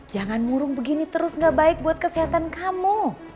jangan murung begini terus gak baik buat kesehatan kamu